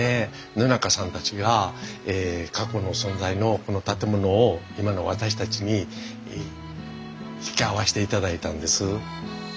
野中さんたちが過去の存在のこの建物を今の私たちに引き合わしていただいたんです。